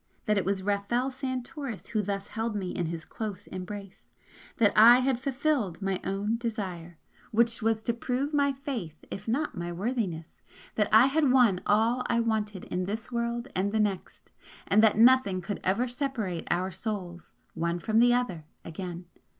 that it was Rafel Santoris who thus held me in his close embrace, that I had fulfilled my own desire, which was to prove my faith if not my worthiness that I had won all I wanted in this world and the next, and that nothing could ever separate our Souls, one from the other again!